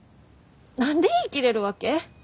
何で言い切れるわけ？